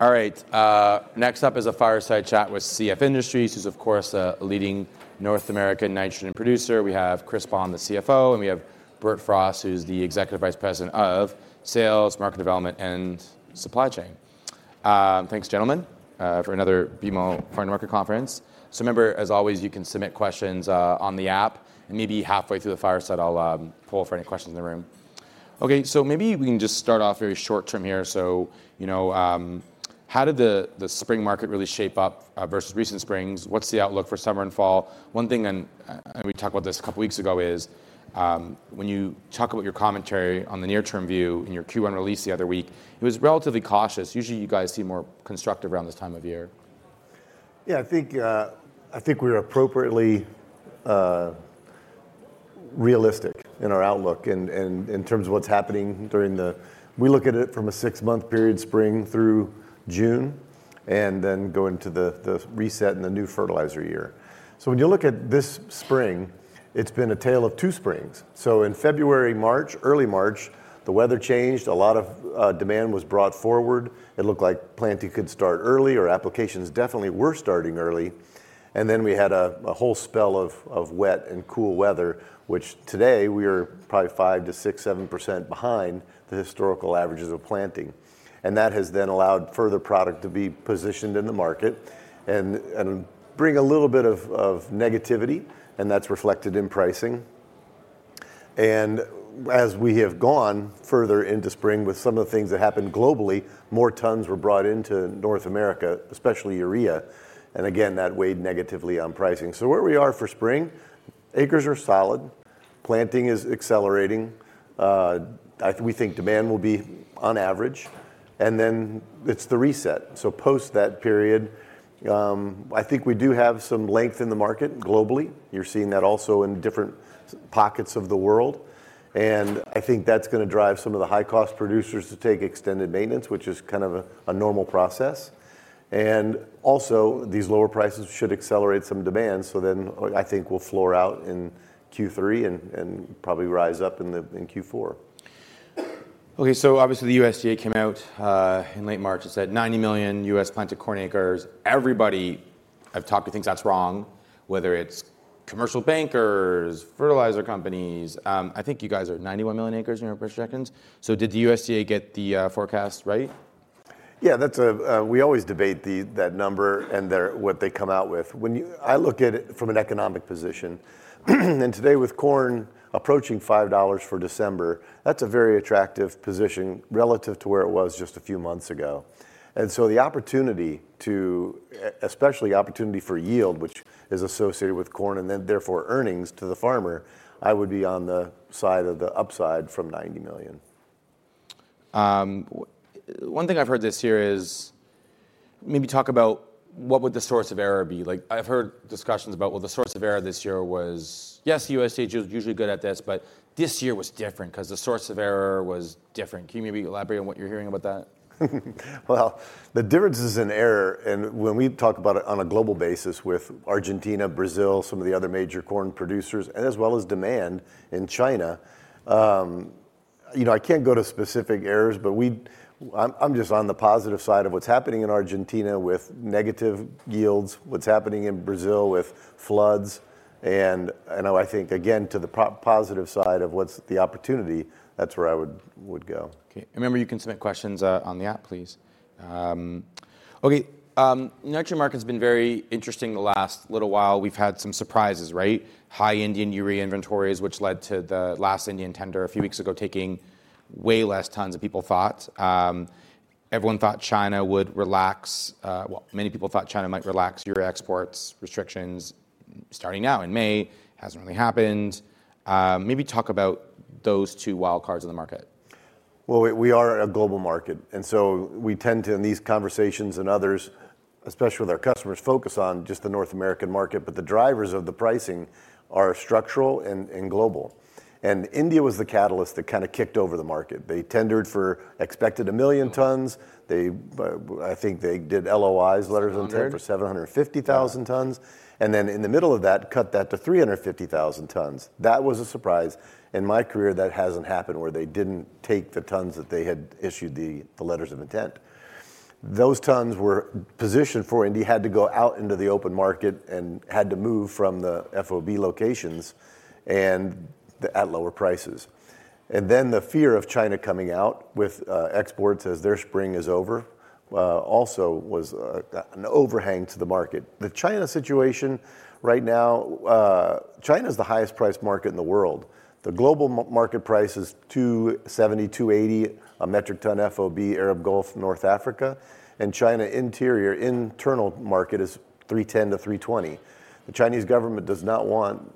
All right, next up is a fireside chat with CF Industries, who's, of course, a leading North American nitrogen producer. We have Chris Bohn, the CFO, and we have Bert Frost, who's the Executive Vice President of Sales, Market Development, and Supply Chain. Thanks, gentlemen, for another BMO Farm to Market Conference. So remember, as always, you can submit questions on the app, and maybe halfway through the fireside, I'll poll for any questions in the room. Okay, so maybe we can just start off very short-term here. So, you know, how did the spring market really shape up versus recent springs? What's the outlook for summer and fall? One thing, we talked about this a couple weeks ago, is when you talk about your commentary on the near-term view in your Q1 release the other week, it was relatively cautious. Usually, you guys seem more constructive around this time of year. Yeah, I think, I think we're appropriately realistic in our outlook, and in terms of what's happening during the. We look at it from a six-month period, spring through June, and then go into the reset and the new fertilizer year. So when you look at this spring, it's been a tale of two springs. So in February, March, early March, the weather changed. A lot of demand was brought forward. It looked like planting could start early or applications definitely were starting early, and then we had a whole spell of wet and cool weather, which today we are probably 5%-7% behind the historical averages of planting. And that has then allowed further product to be positioned in the market and bring a little bit of negativity, and that's reflected in pricing. And as we have gone further into spring with some of the things that happened globally, more tons were brought into North America, especially urea, and again, that weighed negatively on pricing. So where we are for spring, acres are solid, planting is accelerating, we think demand will be on average, and then it's the reset. So post that period, I think we do have some length in the market globally. You're seeing that also in different pockets of the world, and I think that's gonna drive some of the high-cost producers to take extended maintenance, which is kind of a normal process. And also, these lower prices should accelerate some demand, so then I think we'll floor out in Q3 and probably rise up in Q4. Okay, so obviously, the USDA came out in late March and said 90 million US planted corn acres. Everybody I've talked to thinks that's wrong, whether it's commercial bankers, fertilizer companies, I think you guys are at 91 million acres, nonetheless. So did the USDA get the forecast right? Yeah, that's a, We always debate the, that number and their, what they come out with. When I look at it from an economic position, and today, with corn approaching $5 for December, that's a very attractive position relative to where it was just a few months ago. And so the opportunity to especially opportunity for yield, which is associated with corn, and then therefore earnings to the farmer, I would be on the side of the upside from 90 million. One thing I've heard this year is, maybe talk about what would the source of error be. Like, I've heard discussions about, well, the source of error this year was, yes, the USDA is usually good at this, but this year was different, because the source of error was different. Can you maybe elaborate on what you're hearing about that? Well, the differences in weather, and when we talk about it on a global basis with Argentina, Brazil, some of the other major corn producers, and as well as demand in China, you know, I can't go to specific errors, but I'm, I'm just on the positive side of what's happening in Argentina with negative yields, what's happening in Brazil with floods, and I know, I think, again, to the positive side of what's the opportunity, that's where I would go. Okay. And remember, you can submit questions on the app, please. Okay, nitrogen market's been very interesting the last little while. We've had some surprises, right? High Indian urea inventories, which led to the last Indian tender a few weeks ago, taking way less tons than people thought. Everyone thought China would relax, well, many people thought China might relax urea exports, restrictions starting now in May. Hasn't really happened. Maybe talk about those two wild cards in the market. Well, we are a global market, and so we tend to, in these conversations and others, especially with our customers, focus on just the North American market, but the drivers of the pricing are structural and global. And India was the catalyst that kinda kicked over the market. They tendered for, expected 1 million tons. They, I think they did LOIs, letters of intent for 750,000 tons, and then in the middle of that, cut that to 350,000 tons. That was a surprise. In my career, that hasn't happened, where they didn't take the tons that they had issued the letters of intent. Those tons were positioned for, India had to go out into the open market and had to move from the FOB locations and at lower prices. And then, the fear of China coming out with exports as their spring is over also was an overhang to the market. The China situation right now, China's the highest priced market in the world. The global market price is $270-$280 a metric ton FOB, Arab Gulf, North Africa, and China interior, internal market is $310-$320. The Chinese government does not want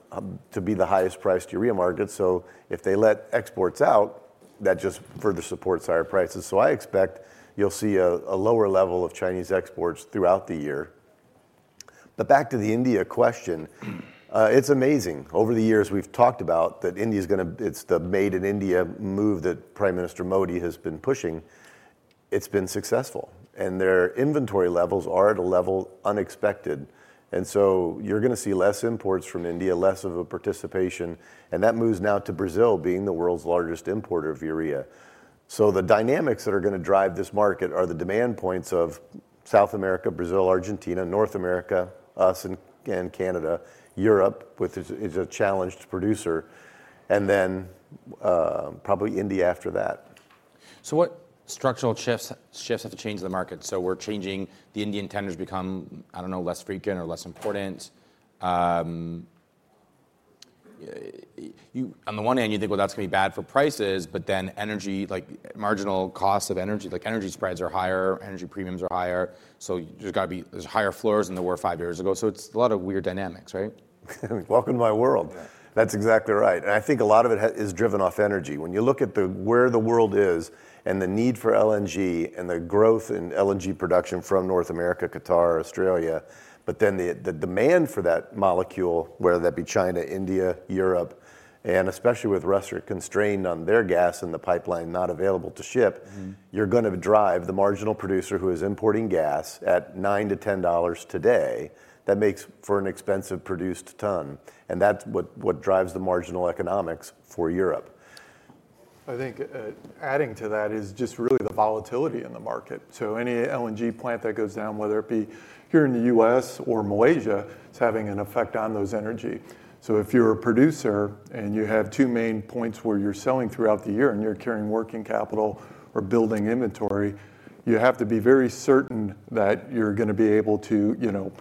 to be the highest priced urea market, so if they let exports out, that just further supports higher prices. So I expect you'll see a lower level of Chinese exports throughout the year. But back to the India question, it's amazing. Over the years, we've talked about that India's it's the 'Made in India' move that Prime Minister Modi has been pushing. It's been successful, and their inventory levels are at a level unexpected, and so you're gonna see less imports from India, less of a participation, and that moves now to Brazil, being the world's largest importer of urea. So the dynamics that are gonna drive this market are the demand points of South America, Brazil, Argentina, North America, U.S. and Canada, Europe, which is a challenged producer, and then probably India after that. So what structural shifts have to change in the market? So we're changing, the Indian tenders become, I don't know, less frequent or less important. You, on the one hand, you think, well, that's going to be bad for prices, but then energy, like marginal cost of energy, like energy spreads are higher, energy premiums are higher, so there's got to be higher floors than there were 5 years ago. So it's a lot of weird dynamics, right? Welcome to my world. Yeah. That's exactly right, and I think a lot of it is driven off energy. When you look at where the world is and the need for LNG and the growth in LNG production from North America, Qatar, Australia, but then the demand for that molecule, whether that be China, India, Europe, and especially with Russia constrained on their gas and the pipeline not available to ship- Mm-hmm. You're going to drive the marginal producer who is importing gas at $9-$10 today. That makes for an expensive produced ton, and that's what drives the marginal economics for Europe. I think, adding to that is just really the volatility in the market. So any LNG plant that goes down, whether it be here in the U.S. or Malaysia, it's having an effect on those energy. So if you're a producer, and you have two main points where you're selling throughout the year, and you're carrying working capital or building inventory, you have to be very certain that you're going to be able to, you know,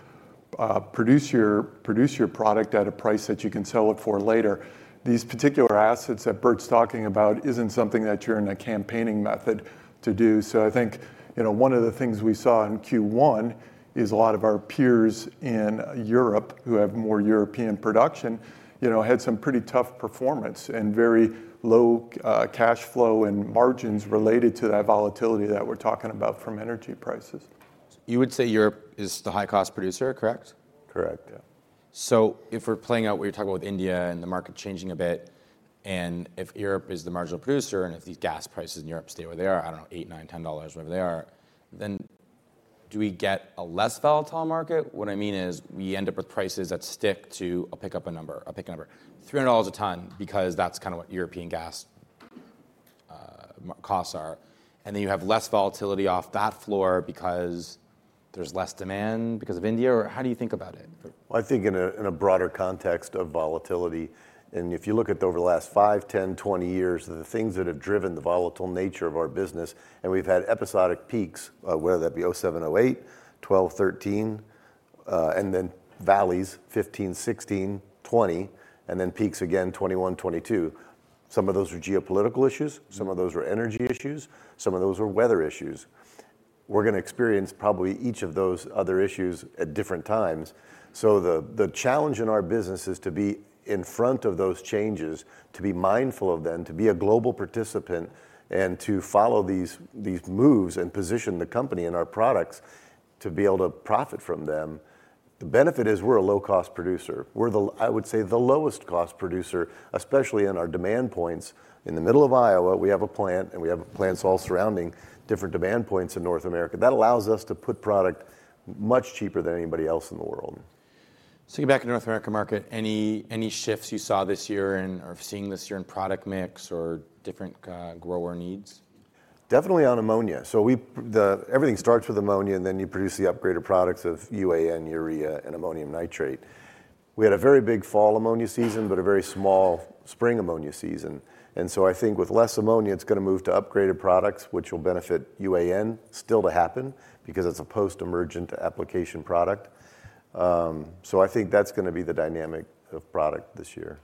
produce your, produce your product at a price that you can sell it for later. These particular assets that Bert's talking about isn't something that you're in a campaigning method to do. So I think, you know, one of the things we saw in Q1 is a lot of our peers in Europe, who have more European production, you know, had some pretty tough performance and very low cash flow and margins related to that volatility that we're talking about from energy prices. You would say Europe is the high-cost producer, correct? Correct, yeah. So if we're playing out what you're talking about with India and the market changing a bit, and if Europe is the marginal producer, and if these gas prices in Europe stay where they are, I don't know, $8-$10, whatever they are, then do we get a less volatile market? What I mean is, we end up with prices that stick to... I'll pick a number. I'll pick a number. $300 a ton because that's kind of what European gas costs are, and then you have less volatility off that floor because there's less demand because of India, or how do you think about it? I think in a broader context of volatility, and if you look at over the last 5, 10, 20 years, the things that have driven the volatile nature of our business, and we've had episodic peaks, whether that be 2007, 2008, 2012, 2013, and then valleys, 2015, 2016, 2020, and then peaks again, 2021, 2022. Some of those were geopolitical issues, some of those were energy issues, some of those were weather issues. We're going to experience probably each of those other issues at different times. So the challenge in our business is to be in front of those changes, to be mindful of them, to be a global participant, and to follow these moves and position the company and our products to be able to profit from them. The benefit is we're a low-cost producer. We're the, I would say, the lowest cost producer, especially in our demand points. In the middle of Iowa, we have a plant, and we have plants all surrounding different demand points in North America. That allows us to put product much cheaper than anybody else in the world. Getting back to the North America market, any shifts you saw this year and are seeing this year in product mix or different grower needs? Definitely on ammonia. Everything starts with ammonia, and then you produce the upgraded products of UAN, urea, and ammonium nitrate. We had a very big fall ammonia season, but a very small spring ammonia season, and so I think with less ammonia, it's going to move to upgraded products, which will benefit UAN, still to happen because it's a post-emergent application product. So I think that's going to be the dynamic of product this year.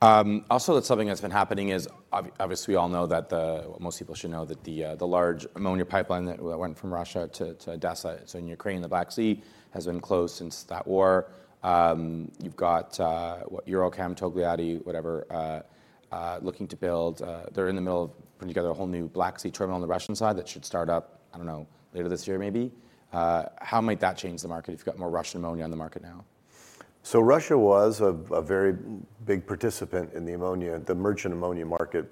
Also, that's something that's been happening is obviously, we all know that the... Most people should know that the large ammonia pipeline that went from Russia to Odessa, so in Ukraine, the Black Sea, has been closed since that war. You've got, what, EuroChem Togliatti, whatever, looking to build. They're in the middle of putting together a whole new Black Sea terminal on the Russian side that should start up, I don't know, later this year, maybe. How might that change the market if you've got more Russian ammonia on the market now? So Russia was a very big participant in the ammonia, the merchant ammonia market,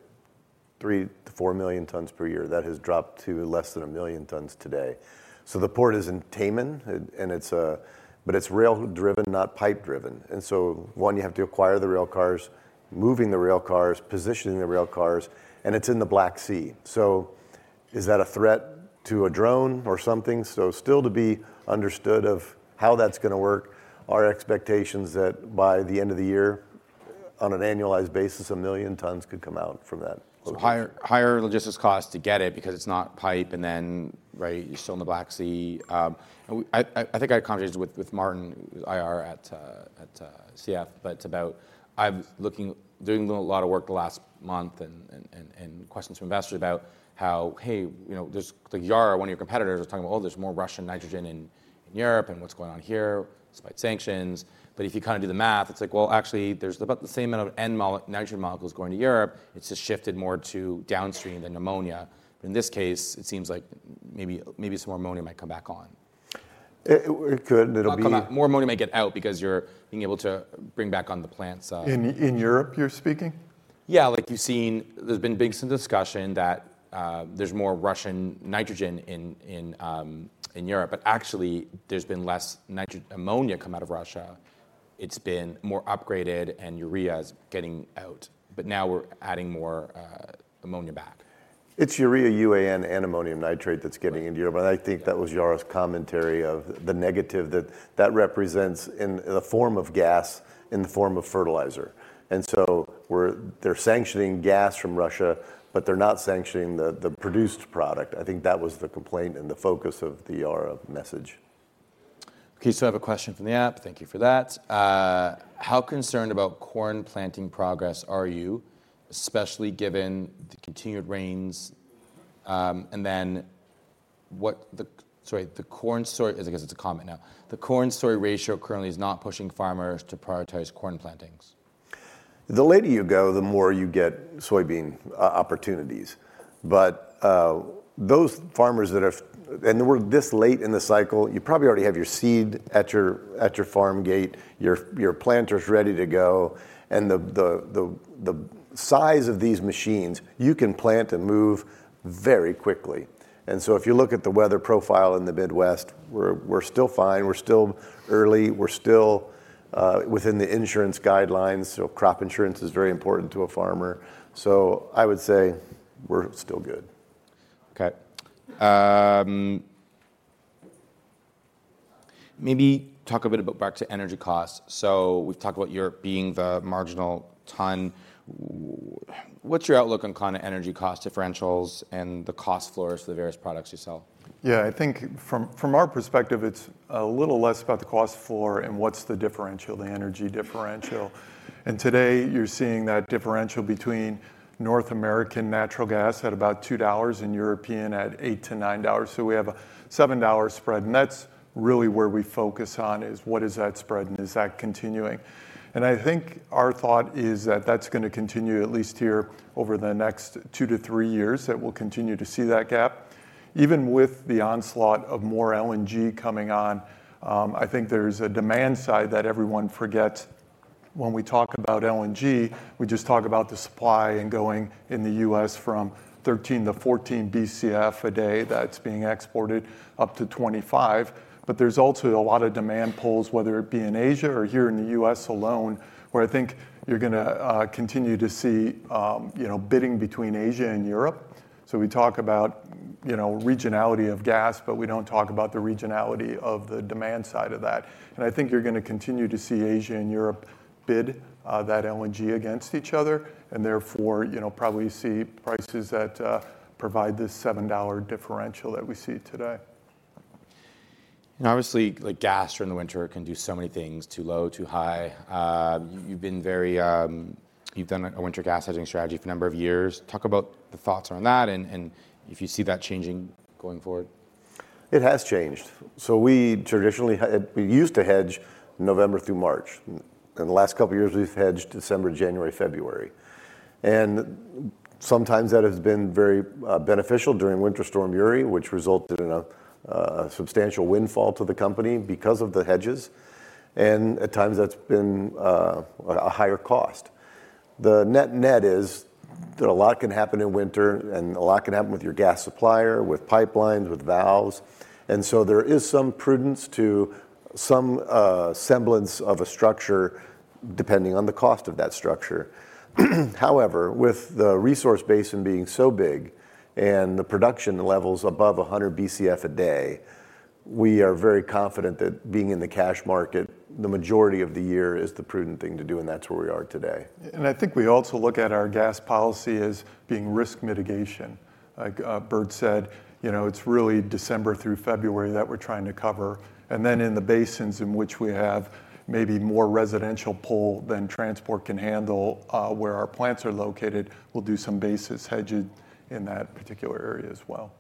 3-4 million tons per year. That has dropped to less than 1 million tons today. So the port is in Taman, and it's, but it's rail-driven, not pipe-driven, and so one, you have to acquire the rail cars, moving the rail cars, positioning the rail cars, and it's in the Black Sea. So is that a threat to a drone or something? So still to be understood of how that's going to work. Our expectation's that by the end of the year, on an annualized basis, 1 million tons could come out from that location. So higher, higher logistics cost to get it because it's not pipe, and then, right, you're still in the Black Sea. I think I had a conversation with Martin, IR at CF, but it's about doing a lot of work the last month and questions from investors about how, hey, you know, there's, like, Yara, one of your competitors, are talking about, oh, there's more Russian nitrogen in Europe and what's going on here despite sanctions. But if you kind of do the math, it's like, well, actually, there's about the same amount of nitrogen molecules going to Europe. It's just shifted more to downstream than ammonia. But in this case, it seems like maybe some more ammonia might come back on. It could, and it'll be- Not come back. More ammonia may get out because you're being able to bring back on the plants. In Europe, you're speaking? Yeah, like you've seen, there's been some big discussion that there's more Russian nitrogen in Europe, but actually there's been less ammonia come out of Russia. It's been more upgraded, and urea is getting out, but now we're adding more ammonia back. It's urea, UAN, and ammonium nitrate that's getting into Europe. Right. I think that was Yara's commentary of the negative that that represents in, in the form of gas, in the form of fertilizer. So we're—they're sanctioning gas from Russia, but they're not sanctioning the, the produced product. I think that was the complaint and the focus of the Yara message. Okay, so I have a question from the app. Thank you for that. "How concerned about corn planting progress are you, especially given the continued rains? And then what the..." Sorry, the corn soy- I guess it's a comment now. "The corn soy ratio currently is not pushing farmers to prioritize corn plantings. The later you go, the more you get soybean opportunities. But those farmers that are, and we're this late in the cycle, you probably already have your seed at your farm gate, your planters ready to go, and the size of these machines, you can plant and move very quickly. And so if you look at the weather profile in the Midwest, we're still fine, we're still early, we're still within the insurance guidelines. So crop insurance is very important to a farmer. So I would say we're still good. Okay. Maybe talk a bit about back to energy costs. So we've talked about Europe being the marginal ton. What's your outlook on kind of energy cost differentials and the cost floors for the various products you sell? Yeah, I think from our perspective, it's a little less about the cost floor and what's the differential, the energy differential. And today, you're seeing that differential between North American natural gas at about $2 and European at $8-$9. So we have a $7 spread, and that's really where we focus on, is what is that spread and is that continuing? And I think our thought is that that's gonna continue, at least here over the next 2-3 years, that we'll continue to see that gap. Even with the onslaught of more LNG coming on, I think there's a demand side that everyone forgets. When we talk about LNG, we just talk about the supply and going in the US from 13-14 BCF a day, that's being exported up to 25. But there's also a lot of demand pulls, whether it be in Asia or here in the U.S. alone, where I think you're gonna continue to see, you know, bidding between Asia and Europe. So we talk about, you know, regionality of gas, but we don't talk about the regionality of the demand side of that. And I think you're gonna continue to see Asia and Europe bid that LNG against each other, and therefore, you know, probably see prices that provide this $7 differential that we see today. Obviously, like gas during the winter can do so many things, too low, too high. You've been very, you've done a winter gas hedging strategy for a number of years. Talk about the thoughts around that, and, and if you see that changing going forward. It has changed. So we traditionally used to hedge November through March. In the last couple of years, we've hedged December, January, February. And sometimes that has been very beneficial during Winter Storm Uri, which resulted in a substantial windfall to the company because of the hedges, and at times that's been a higher cost. The net-net is that a lot can happen in winter, and a lot can happen with your gas supplier, with pipelines, with valves, and so there is some prudence to some semblance of a structure, depending on the cost of that structure. However, with the resource basin being so big and the production levels above 100 BCF a day, we are very confident that being in the cash market, the majority of the year is the prudent thing to do, and that's where we are today. And I think we also look at our gas policy as being risk mitigation. Like, Bert said, you know, it's really December through February that we're trying to cover. And then in the basins in which we have maybe more residential pull than transport can handle, where our plants are located, we'll do some basis hedging in that particular area as well.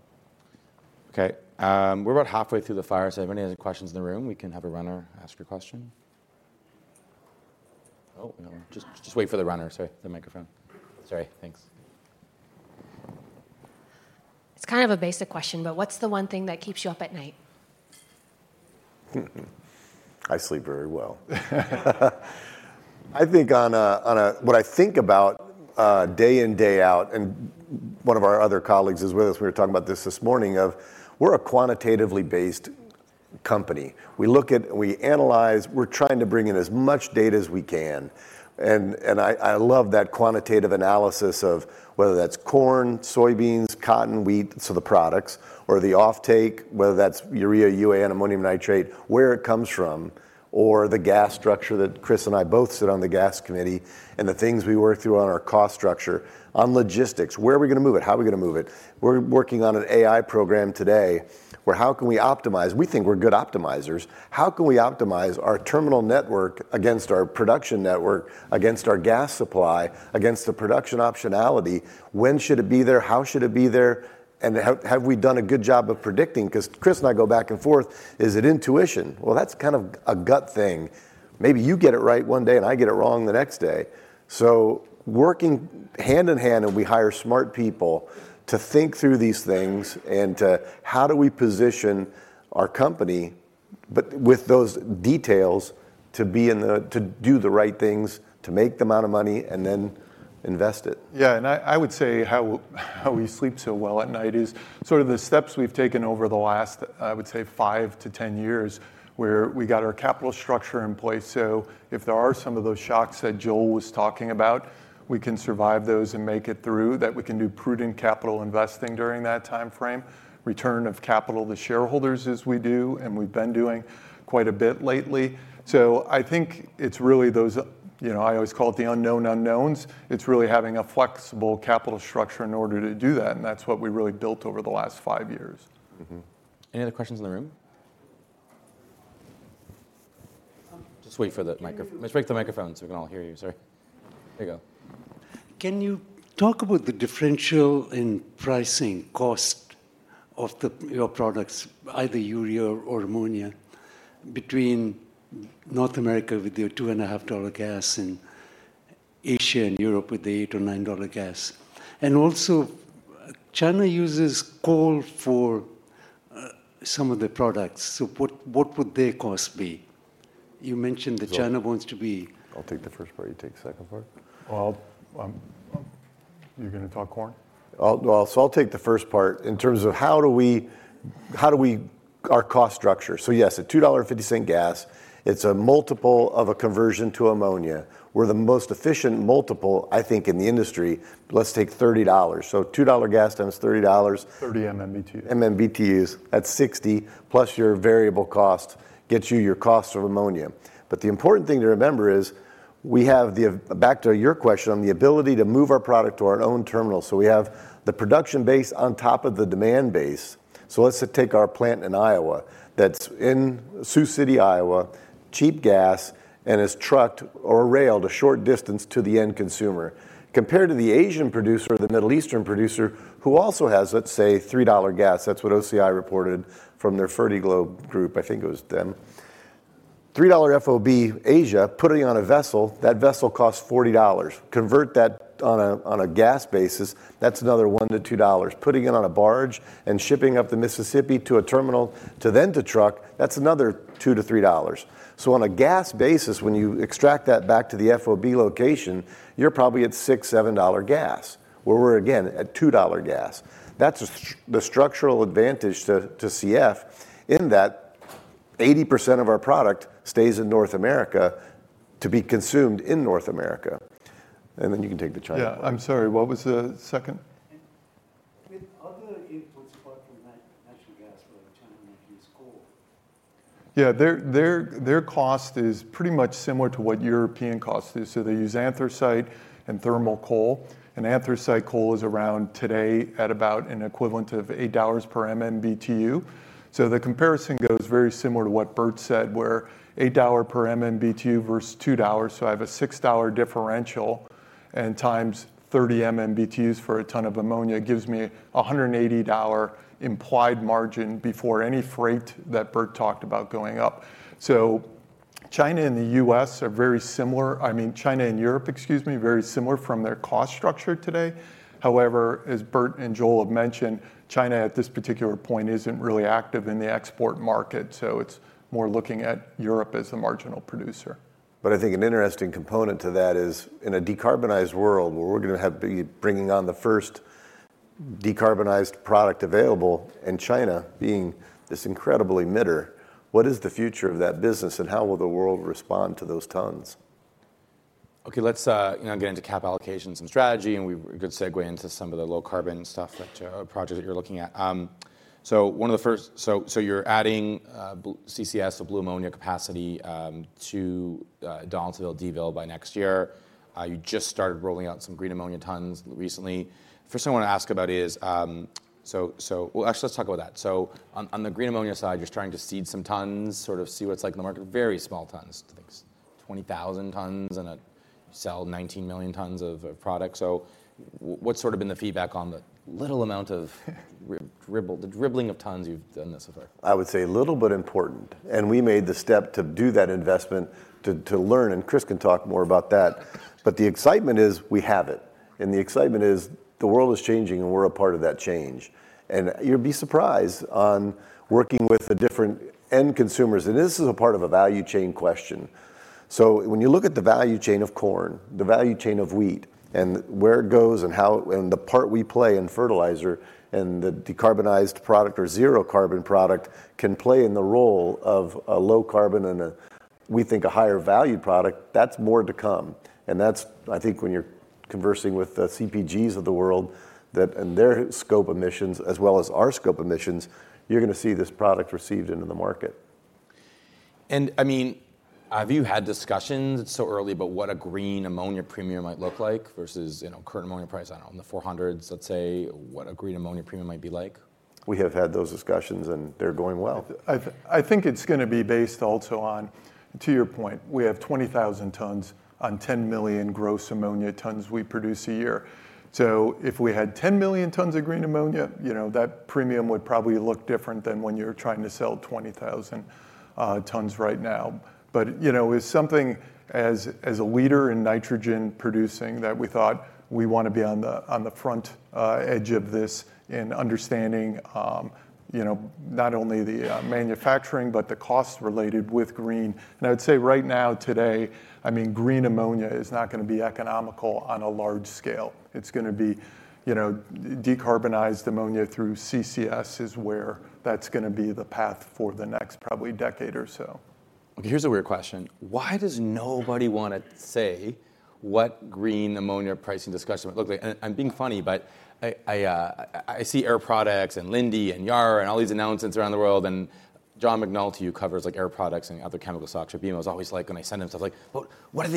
Okay, we're about halfway through the fire, so if anybody has any questions in the room, we can have a runner ask your question. Oh, just, just wait for the runner. Sorry, the microphone. Sorry, thanks. It's kind of a basic question, but what's the one thing that keeps you up at night? I sleep very well. I think on a... What I think about day in, day out, and one of our other colleagues is with us, we were talking about this this morning, that we're a quantitatively based company. We look at, we analyze, we're trying to bring in as much data as we can. And I love that quantitative analysis of whether that's corn, soybeans, cotton, wheat, so the products, or the offtake, whether that's urea, UAN, and ammonium nitrate, where it comes from, or the gas structure that Chris and I both sit on the gas committee, and the things we work through on our cost structure. On logistics, where are we gonna move it? How are we gonna move it? We're working on an AI program today, where how can we optimize? We think we're good optimizers. How can we optimize our terminal network against our production network, against our gas supply, against the production optionality? When should it be there? How should it be there? And have we done a good job of predicting? 'Cause Chris and I go back and forth, is it intuition? Well, that's kind of a gut thing. Maybe you get it right one day, and I get it wrong the next day. So working hand in hand, and we hire smart people to think through these things and to, how do we position our company, but with those details, to be in the- to do the right things, to make the amount of money, and then invest it. Yeah, I would say how we sleep so well at night is sort of the steps we've taken over the last, I would say, 5-10 years, where we got our capital structure in place. So if there are some of those shocks that Joel was talking about, we can survive those and make it through. That we can do prudent capital investing during that timeframe, return of capital to shareholders, as we do, and we've been doing quite a bit lately. So I think it's really those, you know, I always call it the unknown unknowns. It's really having a flexible capital structure in order to do that, and that's what we really built over the last 5 years. Mm-hmm. Any other questions in the room? Just wait for the microphone. Let's wait for the microphone, so we can all hear you, sir. There you go. Can you talk about the differential in pricing cost of the, your products, either urea or ammonia, between North America with your $2.5 gas, and Asia and Europe with the $8 or $9 gas? And also, China uses coal for some of the products, so what would their cost be? You mentioned that- So- China wants to be- I'll take the first part, you take the second part? Well, you're going to talk corn? I'll. Well, so I'll take the first part. In terms of how do we, how do we our cost structure. So yes, at $2.50 gas, it's a multiple of a conversion to ammonia, we're the most efficient multiple, I think, in the industry. Let's take $30. So $2 gas times $30- 30 MMBTU. MMBTUs at $60, plus your variable cost gets you your cost of ammonia. But the important thing to remember is, we have the back to your question, on the ability to move our product to our own terminal. So we have the production base on top of the demand base. So let's take our plant in Iowa, that's in Sioux City, Iowa, cheap gas, and is trucked or railed a short distance to the end consumer. Compared to the Asian producer or the Middle Eastern producer, who also has, let's say, $3 gas. That's what OCI reported from their Fertiglobe group, I think it was them. $3 FOB Asia, putting it on a vessel, that vessel costs $40. Convert that on a gas basis, that's another $1-$2. Putting it on a barge and shipping up the Mississippi to a terminal, to then truck, that's another $2-$3. So on a gas basis, when you extract that back to the FOB location, you're probably at $6-$7 gas, where we're, again, at $2 gas. That's the structural advantage to CF in that 80% of our product stays in North America, to be consumed in North America. And then you can take the China part. Yeah. I'm sorry, what was the second? With other inputs apart from natural gas or China use coal. Yeah, their cost is pretty much similar to what European cost is. So they use anthracite and thermal coal. And anthracite coal is around today at about an equivalent of $8 per MMBTU. So the comparison goes very similar to what Bert said, where $8 per MMBTU versus $2. So I have a $6 differential, and times 30 MMBTUs for a ton of ammonia, gives me a $180 implied margin before any freight that Bert talked about going up. So China and the US are very similar, I mean, China and Europe, excuse me, very similar from their cost structure today. However, as Bert and Joel have mentioned, China, at this particular point, isn't really active in the export market, so it's more looking at Europe as the marginal producer. But I think an interesting component to that is, in a decarbonized world, where we're gonna be bringing on the first decarbonized product available, and China being this incredible emitter, what is the future of that business, and how will the world respond to those tons? Okay, let's you know get into cap allocations and strategy, and a good segue into some of the low carbon stuff that projects that you're looking at. So you're adding CCS or blue ammonia capacity to Donaldsonville by next year. You just started rolling out some green ammonia tons recently. First, I want to ask about is, well, actually, let's talk about that. So on the green ammonia side, you're trying to seed some tons, sort of see what it's like in the market. Very small tons, I think 20,000 tons in a sale, 19 million tons of product. So what's sort of been the feedback on the little amount of dribble, the dribbling of tons you've done thus far? I would say little, but important. And we made the step to do that investment, to, to learn, and Chris can talk more about that. But the excitement is, we have it. And the excitement is, the world is changing, and we're a part of that change. And you'd be surprised on working with the different end consumers, and this is a part of a value chain question. So when you look at the value chain of corn, the value chain of wheat, and where it goes, and how, and the part we play in fertilizer, and the decarbonized product or zero-carbon product, can play in the role of a low carbon and a, we think, a higher value product, that's more to come. And that's, I think, when you're conversing with the CPGs of the world, that and their scope emissions as well as our scope emissions, you're gonna see this product received into the market. I mean, have you had discussions, it's so early, but what a green ammonia premium might look like versus, you know, current ammonia price, I don't know, in the $400s, let's say? What a green ammonia premium might be like? We have had those discussions, and they're going well. I think it's gonna be based also on, to your point, we have 20,000 tons on 10 million gross ammonia tons we produce a year. So if we had 10 million tons of green ammonia, you know, that premium would probably look different than when you're trying to sell 20,000 tons right now. But, you know, it's something as a leader in nitrogen producing, that we thought we want to be on the front edge of this in understanding, you know, not only the manufacturing, but the cost related with green. And I'd say, right now, today, I mean, green ammonia is not gonna be economical on a large scale. It's gonna be, you know, decarbonized ammonia through CCS is where that's gonna be the path for the next probably decade or so. Okay, here's a weird question: Why does nobody want to say what green ammonia pricing discussion would look like? And I'm being funny, but I see Air Products, and Linde, and Yara, and all these announcements around the world, and John McNulty, who covers like Air Products and other chemical stocks at Bloomberg, is always like, when I send him stuff, like: "Well, what are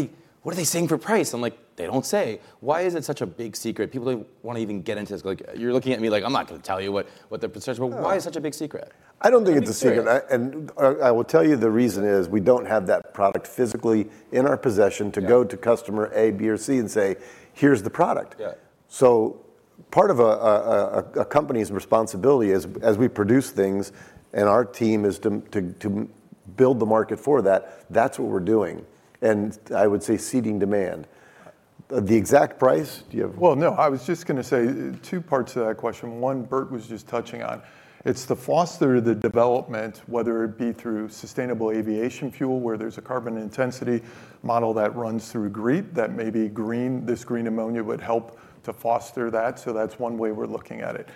they saying for price?" I'm like: "They don't say." Why is it such a big secret? People don't want to even get into this, like, you're looking at me like, "I'm not going to tell you what the price is. No. Why is it such a big secret? I don't think it's a secret. I'm just curious. I will tell you, the reason is, we don't have that product physically in our possession. Yeah... to go to customer A, B, or C and say, "Here's the product. Yeah. So part of a company's responsibility is, as we produce things, and our team is to build the market for that, that's what we're doing, and I would say, seeding demand. The exact price, do you have- Well, no, I was just going to say two parts to that question. One, Bert was just touching on. It's to foster the development, whether it be through sustainable aviation fuel, where there's a carbon intensity model that runs through GREET, that maybe green, this green ammonia would help to foster that. So that's one way we're looking at it.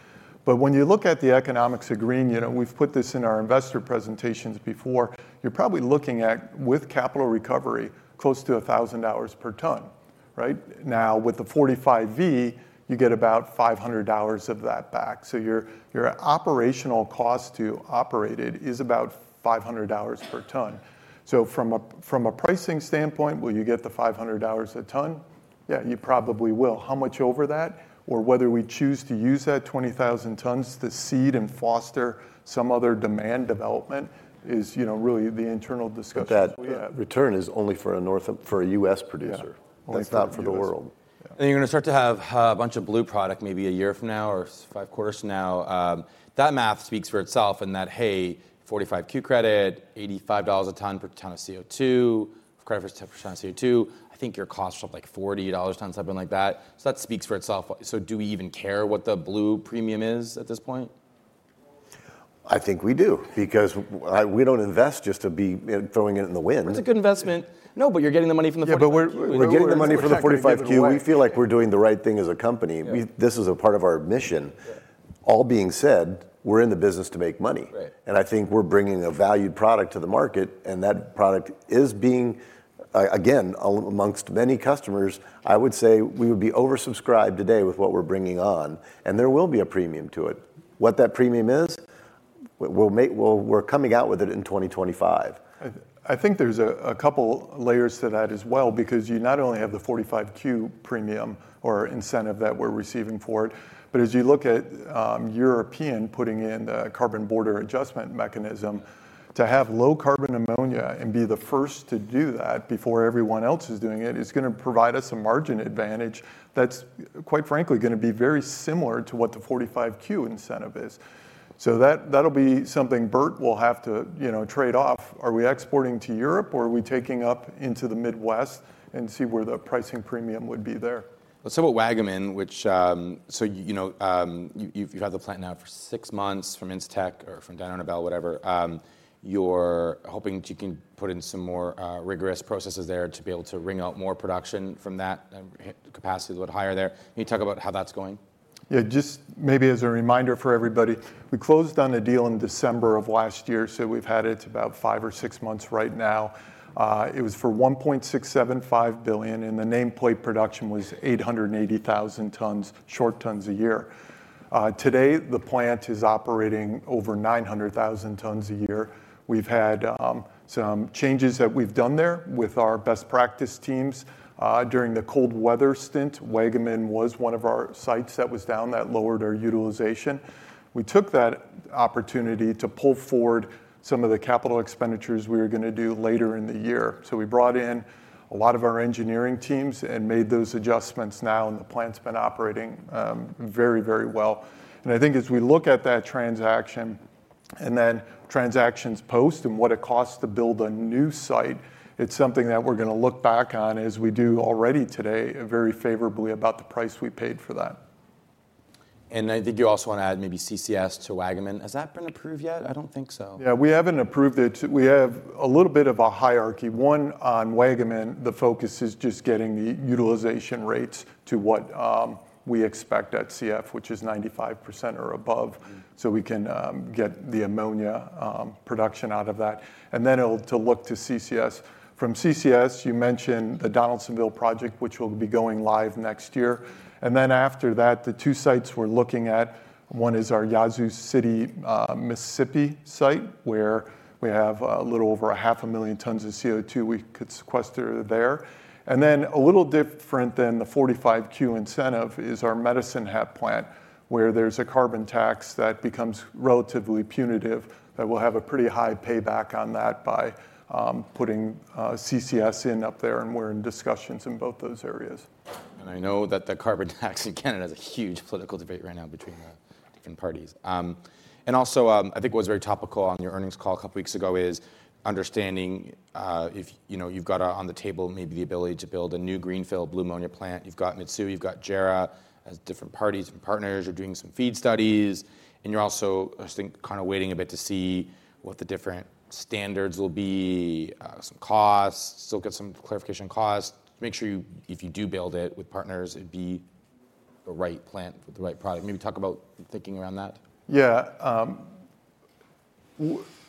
But when you look at the economics of green, you know, we've put this in our investor presentations before, you're probably looking at, with capital recovery, close to $1,000 per ton, right? Now, with the 45V, you get about $500 of that back. So your, your operational cost to operate it is about $500 per ton. So from a, from a pricing standpoint, will you get the $500 a ton? Yeah, you probably will. How much over that, or whether we choose to use that 20,000 tons to seed and foster some other demand development is, you know, really the internal discussion. But that return is only for a U.S. producer. Yeah. Only for the U.S. That's not for the world. Yeah. And you're going to start to have, a bunch of blue product maybe a year from now or 5 quarters from now. That math speaks for itself in that, hey, 45Q credit, $85 a ton per ton of CO2, of credit for 10% of CO2. I think your cost is like $40 times something like that. So that speaks for itself. So do we even care what the blue premium is at this point? I think we do, because, we don't invest just to be, you know, throwing it in the wind. It's a good investment. No, but you're getting the money from the 45Q. Yeah, but we're getting the money from the 45Q. We're not giving it away. We feel like we're doing the right thing as a company. Yeah. This is a part of our mission. Yeah. All being said, we're in the business to make money. Right. I think we're bringing a valued product to the market, and that product is being, again, amongst many customers, I would say we would be oversubscribed today with what we're bringing on, and there will be a premium to it. What that premium is, we'll make, we're coming out with it in 2025. I think there's a couple layers to that as well, because you not only have the 45Q premium or incentive that we're receiving for it, but as you look at Europe putting in the Carbon Border Adjustment Mechanism, to have low carbon ammonia and be the first to do that before everyone else is doing it, is going to provide us a margin advantage that's, quite frankly, going to be very similar to what the 45Q incentive is. So that'll be something Bert will have to, you know, trade off. Are we exporting to Europe, or are we taking up into the Midwest and see where the pricing premium would be there? Let's talk about Waggaman, which, so, you know, you've had the plant now for six months, from Incitec or from Dyno Nobel, whatever. You're hoping that you can put in some more rigorous processes there to be able to wring out more production from that, capacity is a lot higher there. Can you talk about how that's going? Yeah, just maybe as a reminder for everybody, we closed on the deal in December of last year, so we've had it about five or six months right now. It was for $1.675 billion, and the nameplate production was 880,000 short tons a year. Today, the plant is operating over 900,000 tons a year. We've had some changes that we've done there with our best practice teams. During the cold weather stint, Waggaman was one of our sites that was down that lowered our utilization. We took that opportunity to pull forward some of the capital expenditures we were going to do later in the year. So we brought in a lot of our engineering teams and made those adjustments now, and the plant's been operating very, very well. I think as we look at that transaction, and then transactions post and what it costs to build a new site, it's something that we're going to look back on, as we do already today, very favorably about the price we paid for that. I think you also want to add maybe CCS to Waggaman. Has that been approved yet? I don't think so. Yeah, we haven't approved it. We have a little bit of a hierarchy. One, on Waggaman, the focus is just getting the utilization rates to what we expect at CF, which is 95% or above, so we can get the ammonia production out of that. And then we'll look to CCS. From CCS, you mentioned the Donaldsonville project, which will be going live next year. And then after that, the two sites we're looking at, one is our Yazoo City, Mississippi site, where we have a little over 500,000 tons of CO2 we could sequester there. And then a little different than the 45Q incentive is our Medicine Hat plant, where there's a carbon tax that becomes relatively punitive that will have a pretty high payback on that by putting CCS in up there, and we're in discussions in both those areas. I know that the carbon tax in Canada has a huge political debate right now between the different parties. And also, I think what was very topical on your earnings call a couple weeks ago is understanding, if, you know, you've got on the table maybe the ability to build a new greenfield blue ammonia plant. You've got Mitsui, you've got JERA, as different parties and partners. You're doing some FEED studies, and you're also, I think, kind of waiting a bit to see what the different standards will be, some costs. Still get some clarification on cost to make sure you, if you do build it with partners, it'd be the right plant with the right product. Maybe talk about the thinking around that? Yeah,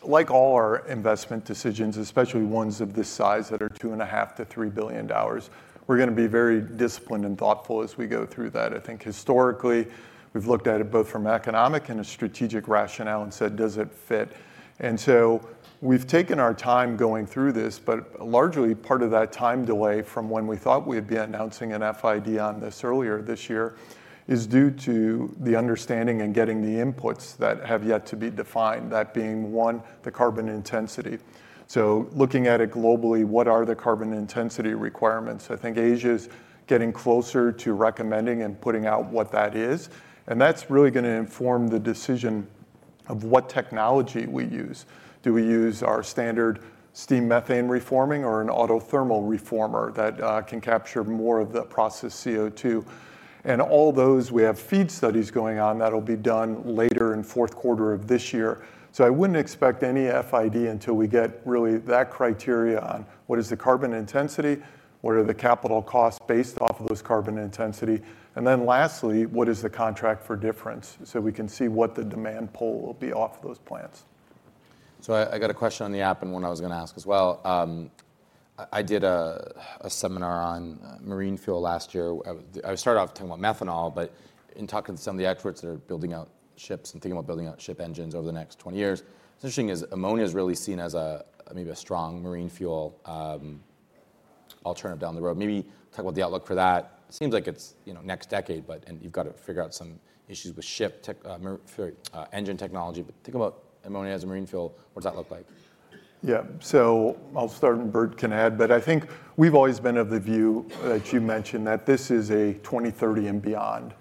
like all our investment decisions, especially ones of this size that are $2.5 billion-$3 billion, we're gonna be very disciplined and thoughtful as we go through that. I think historically, we've looked at it both from economic and a strategic rationale and said: Does it fit? And so we've taken our time going through this, but largely, part of that time delay from when we thought we'd be announcing an FID on this earlier this year, is due to the understanding and getting the inputs that have yet to be defined. That being, one, the carbon intensity. So looking at it globally, what are the carbon intensity requirements? I think Asia's getting closer to recommending and putting out what that is, and that's really gonna inform the decision of what technology we use. Do we use our standard steam methane reforming or an autothermal reformer that can capture more of the process CO2? And all those, we have FEED studies going on that'll be done later in fourth quarter of this year. So I wouldn't expect any FID until we get really that criteria on: What is the carbon intensity? What are the capital costs based off of this carbon intensity? And then lastly, what is the contract for difference, so we can see what the demand pull will be off those plants. So I got a question on the app and one I was gonna ask as well. I did a seminar on marine fuel last year, where I started off talking about methanol, but in talking to some of the experts that are building out ships and thinking about building out ship engines over the next 20 years, it's interesting is ammonia is really seen as maybe a strong marine fuel alternative down the road. Maybe talk about the outlook for that. It seems like it's you know next decade, but and you've got to figure out some issues with ship tech engine technology. But think about ammonia as a marine fuel. What does that look like? Yeah. So I'll start, and Bert can add, but I think we've always been of the view that you mentioned, that this is a 2030 and beyond.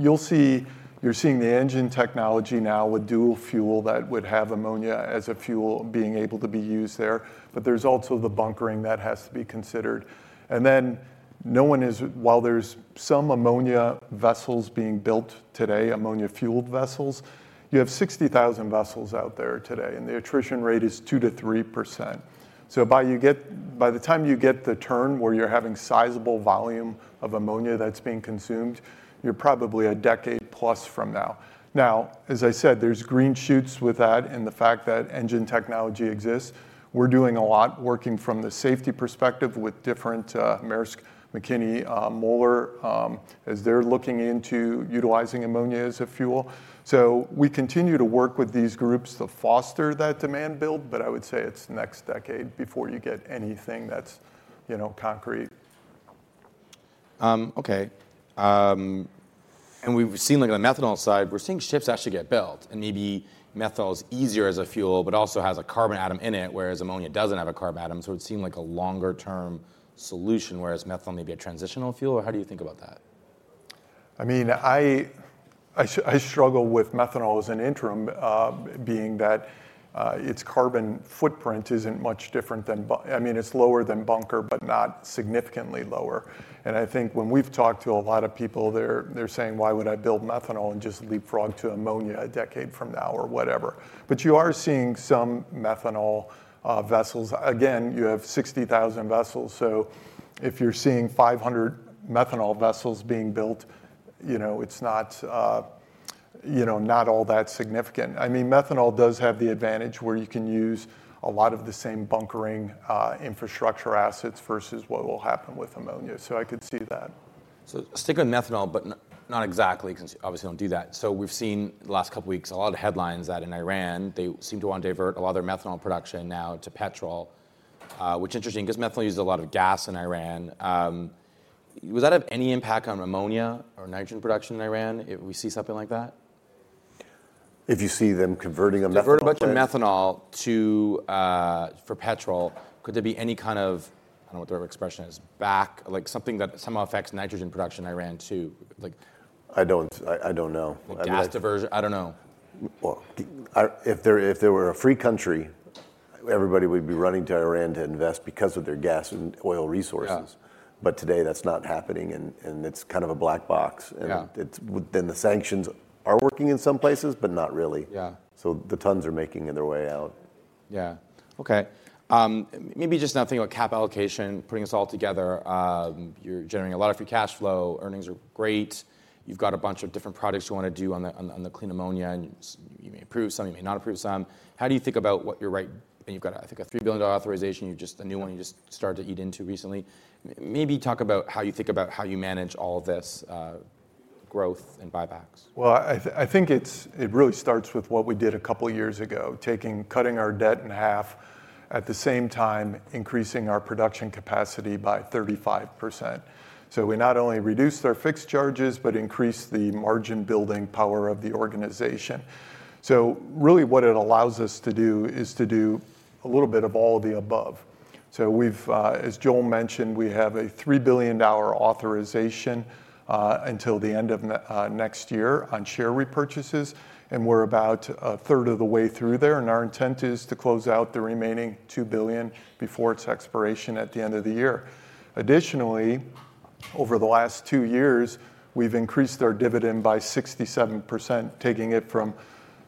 You'll see—you're seeing the engine technology now with dual fuel, that would have ammonia as a fuel being able to be used there, but there's also the bunkering that has to be considered. And then no one is—while there's some ammonia vessels being built today, ammonia-fueled vessels, you have 60,000 vessels out there today, and the attrition rate is 2%-3%. So by the time you get the turn where you're having sizable volume of ammonia that's being consumed, you're probably a decade plus from now. Now, as I said, there's green shoots with that, and the fact that engine technology exists. We're doing a lot working from the safety perspective with different Mærsk Mc-Kinney Møller as they're looking into utilizing ammonia as a fuel. So we continue to work with these groups to foster that demand build, but I would say it's next decade before you get anything that's, you know, concrete. And we've seen, like on the methanol side, we're seeing ships actually get built, and maybe methanol is easier as a fuel, but also has a carbon atom in it, whereas ammonia doesn't have a carbon atom, so it seemed like a longer-term solution, whereas methanol may be a transitional fuel, or how do you think about that? I mean, I struggle with methanol as an interim, being that its carbon footprint isn't much different than bunker. I mean, it's lower than bunker, but not significantly lower. And I think when we've talked to a lot of people, they're saying: "Why would I build methanol and just leapfrog to ammonia a decade from now?" Or whatever. But you are seeing some methanol vessels. Again, you have 60,000 vessels, so if you're seeing 500 methanol vessels being built, you know, it's not, you know, not all that significant. I mean, methanol does have the advantage where you can use a lot of the same bunkering infrastructure assets versus what will happen with ammonia. So I could see that. So stick with methanol, but not exactly, 'cause you obviously don't do that. So we've seen, the last couple weeks, a lot of headlines that in Iran, they seem to want to divert a lot of their methanol production now to petrol, which is interesting 'cause methanol uses a lot of gas in Iran. Would that have any impact on ammonia or nitrogen production in Iran, if we see something like that? If you see them converting ammonia to methanol? Converting methanol to for petrol, could there be any kind of, I don't know what the right expression is, back, like, something that somehow affects nitrogen production in Iran, too? Like... I don't know. I mean- Gas diversion. I don't know. Well, if there were a free country, everybody would be running to Iran to invest because of their gas and oil resources. Yeah. But today, that's not happening, and it's kind of a black box. Yeah. And it's then the sanctions are working in some places, but not really. Yeah. The tons are making their way out. Yeah. Okay, maybe just now thinking about capital allocation, putting this all together, you're generating a lot of free cash flow, earnings are great, you've got a bunch of different projects you want to do on the clean ammonia, and you may approve some, you may not approve some. How do you think about what your right - and you've got, I think, a $3 billion authorization, you just a new one you just started to eat into recently. Maybe talk about how you think about how you manage all of this, growth and buybacks. Well, I think it's, it really starts with what we did a couple of years ago: cutting our debt in half, at the same time, increasing our production capacity by 35%. So we not only reduced our fixed charges, but increased the margin building power of the organization. So really, what it allows us to do is to do a little bit of all of the above. So we've, as Joel mentioned, we have a $3 billion authorization, until the end of next year on share repurchases, and we're about a third of the way through there, and our intent is to close out the remaining $2 billion before its expiration at the end of the year. Additionally, over the last two years, we've increased our dividend by 67%, taking it from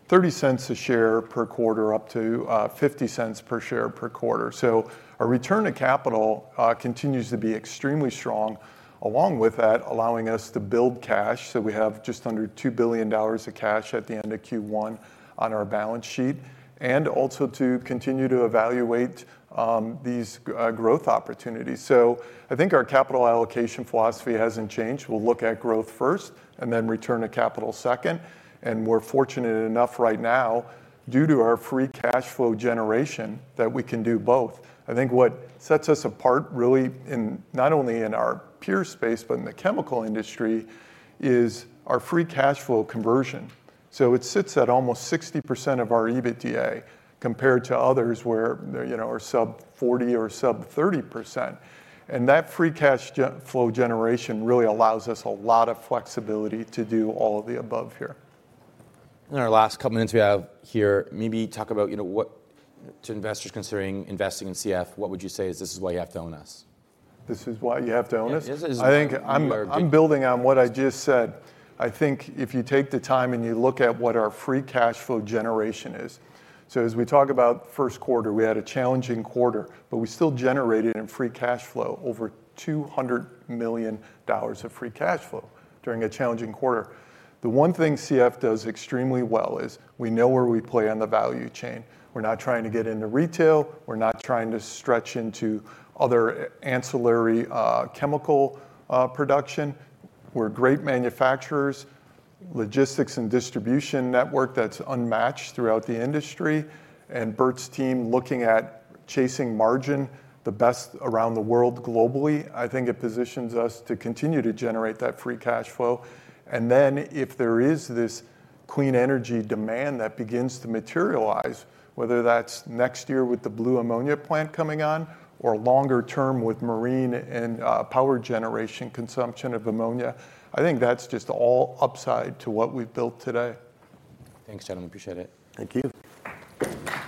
$0.30 per share per quarter up to $0.50 per share per quarter. So our return on capital continues to be extremely strong, along with that, allowing us to build cash. So we have just under $2 billion of cash at the end of Q1 on our balance sheet, and also to continue to evaluate these growth opportunities. So I think our capital allocation philosophy hasn't changed. We'll look at growth first, and then return to capital second, and we're fortunate enough right now, due to our free cash flow generation, that we can do both. I think what sets us apart, really, in not only in our peer space, but in the chemical industry, is our free cash flow conversion. So it sits at almost 60% of our EBITDA, compared to others, where, you know, are sub 40% or sub 30%. And that free cash flow generation really allows us a lot of flexibility to do all of the above here. In our last couple minutes we have here, maybe talk about, you know, what to investors considering investing in CF, what would you say is, "This is why you have to own us? This is why you have to own us? Yes, this is- I think I'm building on what I just said. I think if you take the time and you look at what our free cash flow generation is. So as we talk about first quarter, we had a challenging quarter, but we still generated in free cash flow over $200 million of free cash flow during a challenging quarter. The one thing CF does extremely well is, we know where we play on the value chain. We're not trying to get into retail. We're not trying to stretch into other ancillary, chemical, production. We're great manufacturers, logistics and distribution network that's unmatched throughout the industry, and Bert's team looking at chasing margin the best around the world globally. I think it positions us to continue to generate that free cash flow. And then, if there is this clean energy demand that begins to materialize, whether that's next year with the blue ammonia plant coming on, or longer term with marine and power generation consumption of ammonia, I think that's just all upside to what we've built today. Thanks, gentlemen. Appreciate it. Thank you.